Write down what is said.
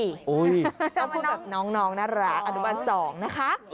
ต้องพูดแบบน้องน่ารักอนุบัน๒นะคะ